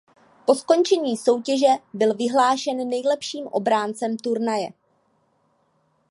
Po skončení soutěže byl vyhlášen nejlepším obráncem turnaje.